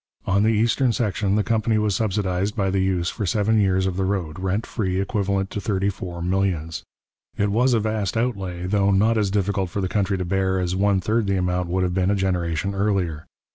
On the eastern section, the company was subsidized by the use for seven years of the road, rent free, equivalent to thirty four millions. It was a vast outlay, though not as difficult for the country to bear as one third the amount would have been a generation earlier.